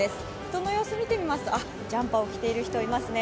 人の様子見てみますとジャンパーを着ている人いますね。